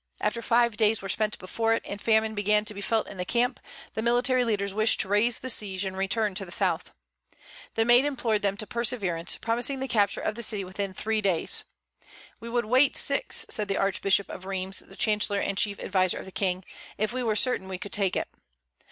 After five days were spent before it, and famine began to be felt in the camp, the military leaders wished to raise the siege and return to the south. The Maid implored them to persevere, promising the capture of the city within three days. "We would wait six," said the Archbishop of Rheims, the chancellor and chief adviser of the King, "if we were certain we could take it."